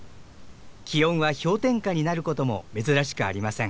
気温は氷点下になる事も珍しくありません。